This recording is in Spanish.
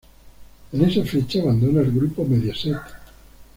En esa fecha abandona el grupo Mediaset.